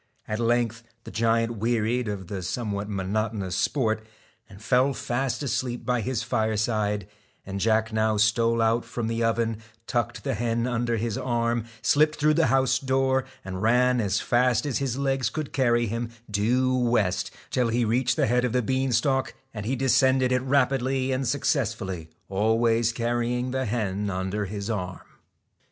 At length the giant wearied of the somewhat monotonous sport and fell fast asleep by his fireside, and Jack now stole out from the oven, tucked the hen under his arm, slipped through the house door and ran as fast as his legs could carry him due west, till he reached the head of the bean stalk, and he descended it rapidly and successfully, always carrying the hen under his arm.